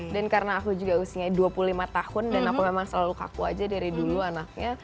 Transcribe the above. dan karena aku juga usianya dua puluh lima tahun dan aku memang selalu kaku aja dari dulu anaknya